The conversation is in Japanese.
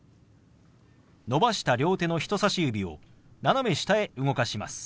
伸ばした両手の人さし指を斜め下へ動かします。